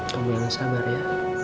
kamu jangan sabar ya